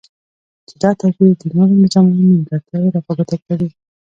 چی دا توپیر د نورو نظامونو نیمګرتیاوی را په ګوته کوی